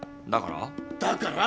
だから？